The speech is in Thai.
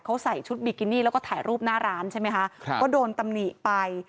เขาใส่ชุดบิกินี่แล้วก็ถ่ายรูปหน้าร้านใช่ไหมคะครับก็โดนตำหนิไป